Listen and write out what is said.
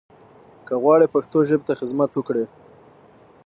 که غواړٸ پښتو ژبې ته خدمت وکړٸ